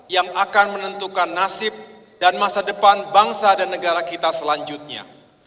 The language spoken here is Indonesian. yang akan menentukan nasib dan masa depan bangsa dan negara kita selanjutnya